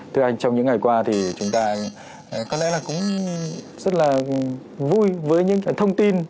thưa anh trong những ngày qua thì chúng ta có lẽ là cũng rất là vui với những thông tin